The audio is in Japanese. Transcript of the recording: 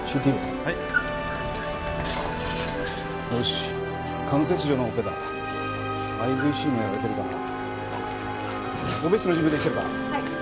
はいよし肝切除のオペだＩＶＣもやられてるかなオペ室の準備はできてるか？